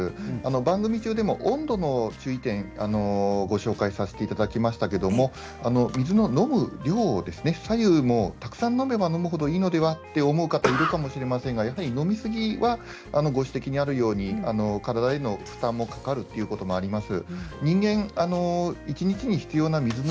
番組中でも温度の注意点ご紹介させていただきましたけど水の飲む量ですね白湯も飲めば飲む程いいと思う方いらっしゃるかもしれませんが飲み過ぎはご指摘にあるように体の負担もかかるということになります。